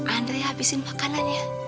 andrei abisin makanan ya